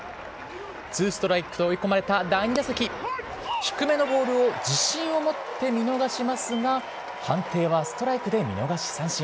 ツーストライクと追い込まれた第２打席、低めのボールを自信を持って見逃しますが、判定はストライクで見逃し三振。